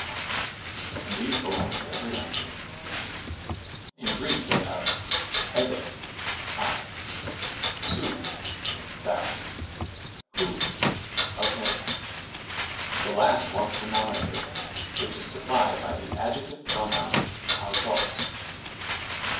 nouns, and these belong to every language. In Greek they are, tya^ I, ov^ thou, ov^ of him ; the last wants the nominative, which is supplied by the adjective pronoun avrog.